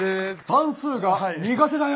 算数が苦手だよ。